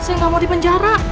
saya gak mau di penjarah